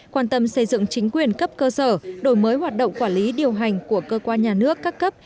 quan tâm xây dựng chính quyền cấp cơ sở đổi mới hoạt động quản lý điều hành của cơ quan nhà nước các cấp